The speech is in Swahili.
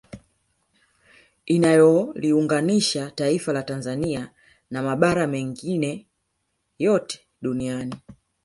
Inayoliunganisha taifa la Tanzania na mabara mengine yote duniani